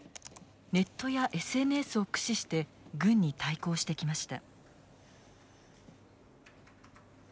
ネットやＳＮＳを駆使して軍に対抗してきました。